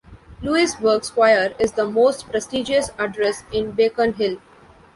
Louisburg Square is "the most prestigious address" in Beacon Hill.